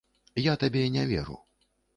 Я табе не веру.